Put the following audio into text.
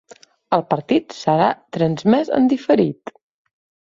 El partit serà transmès en diferit.